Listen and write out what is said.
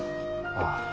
ああ。